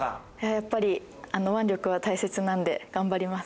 やっぱり腕力は大切なので頑張ります。